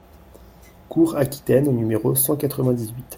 Cours Aquitaine au numéro cent quatre-vingt-dix-huit